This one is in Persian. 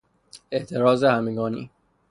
اعتراض همگانی